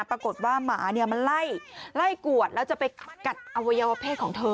ปรากฏว่าหมาเนี่ยมันไล่กวดแล้วจะไปกัดอวัยวะเพศของเธอ